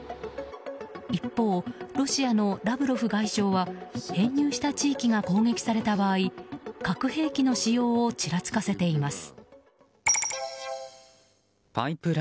一方、ロシアのラブロフ外相は編入した地域が攻撃された場合核兵器の使用をちらつかせています。